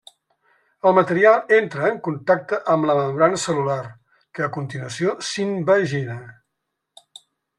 El material entra en contacte amb la membrana cel·lular, que a continuació s'invagina.